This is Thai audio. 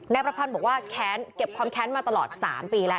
นายประพันธ์บอกว่าแค้นเก็บความแค้นมาตลอด๓ปีแล้ว